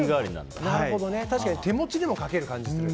確かに手持ちでも書ける感じする。